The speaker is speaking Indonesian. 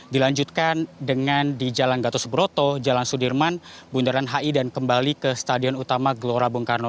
dilanjutkan dengan di jalan gatot subroto jalan sudirman bundaran hi dan kembali ke stadion utama gelora bung karno